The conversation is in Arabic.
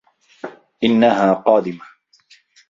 إنها قادمة.